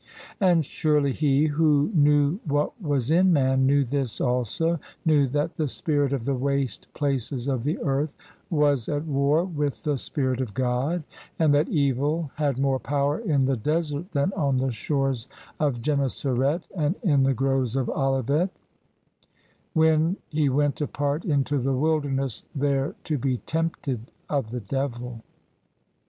And surely He, Who knew what was in man, knew this also — ^knew that the spirit of the waste places of the earth was at war with the Spirit of God, and that evil had more power in the desert than on the shores of Gennesaret and in the groves of Olivet — ^when He went apart into the wilderness, there to be tempted of the devil.